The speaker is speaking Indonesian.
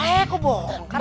eh kok bongkar